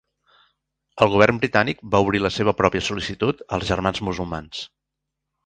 El govern britànic va obrir la seva pròpia sol·licitud als Germans Musulmans.